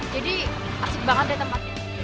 jadi asik banget deh tempatnya